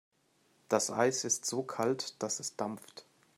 Das Eis ist so kalt, dass es dampft.